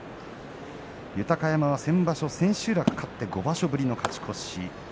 豊山は先場所、千秋楽勝って５場所ぶりの勝ち越し。